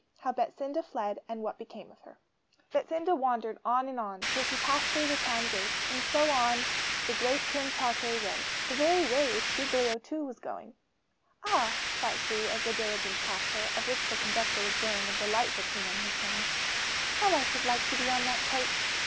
HOW BETSINDA FLED, AND WHAT BECAME OF HER Betsinda wandered on and on, till she passed through the town gates, and so on the great Crim Tartary road, the very way on which Giglio too was going. 'Ah!' thought she, as the diligence passed her, of which the conductor was blowing a delightful tune on his horn, 'how I should like to be on that coach!